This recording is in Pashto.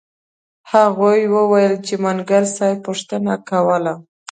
هغوی وویل چې منګل صاحب پوښتنه کوله.